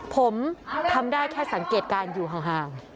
ผมทำได้แค่สังเกตการณ์อยู่ห่าง